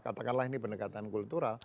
katakanlah ini pendekatan kultural